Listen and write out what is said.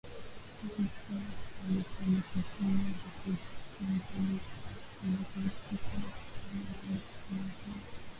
Ned Price japokuwa hakuishutumu kabisa Urusi kwa kufanya uhalifu kama huo